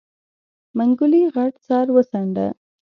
منګلي غټ سر وڅنډه.